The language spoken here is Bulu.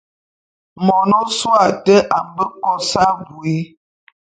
Mon ôsôé ate a mbe kos abui.